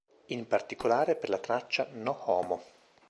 In particolare per la traccia "No Homo".